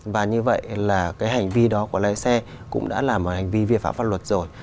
và như vậy là cái hành vi đó của lái xe cũng đã là một hành vi vi phạm pháp luật rồi